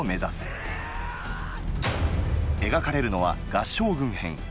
描かれるのは「合従軍編」。